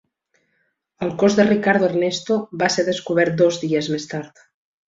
El cos de Ricardo Ernesto va ser descobert dos dies més tard.